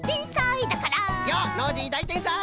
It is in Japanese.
よっノージーだいてんさい！